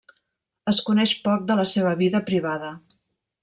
Es coneix poc de la seva vida privada.